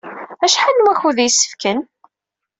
Acḥal n wakud ay yessefken?